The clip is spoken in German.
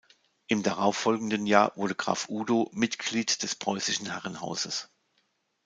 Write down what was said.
Im darauffolgenden Jahr wurde Graf Udo Mitglied des Preußischen Herrenhauses.